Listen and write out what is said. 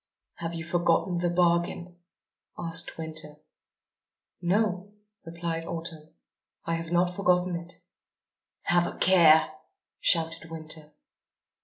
"Have you forgotten the bargain?" asked Winter. "No," replied Autumn. "I have not forgotten it." "Have a care," shouted Winter.